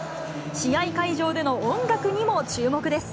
試合会場での音楽にも注目です。